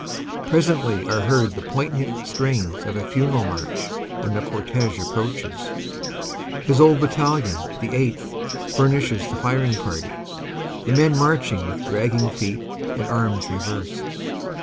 Presently are heard the poignant strains of a funeral march and the cortege approaches. His old battalion, the 8th., fur nishes the firing party, the men marching with dragging feet and arms reversed.